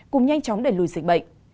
cùng nhanh chóng đẩy lùi dịch bệnh